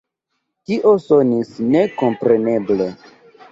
Tio sonis ne kompreneble.